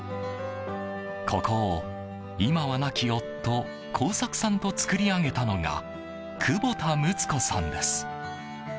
ここを、今は亡き夫耕作さんと造り上げたのが久保田睦子さんです。